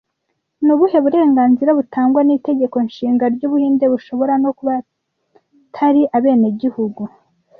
Ni ubuhe burenganzira butangwa n'Itegeko Nshinga ry'Ubuhinde bushobora no kubatari abenegihugu